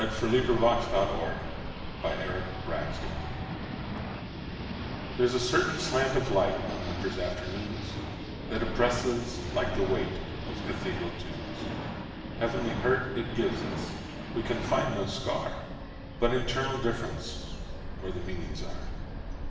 Complete Poems. 1924. Part Two: Nature LXXXII THERE'S a certain slant of light, On winter afternoons, That oppresses, like the weightOf cathedral tunes. Heavenly hurt it gives us; We can find no scar, But internal differenceWhere the meanings are.